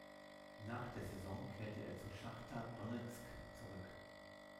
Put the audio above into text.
Nach der Saison kehrte er zu Schachtar Donezk zurück.